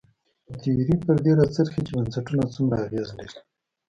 تیوري پر دې راڅرخي چې بنسټونه څومره اغېز لري.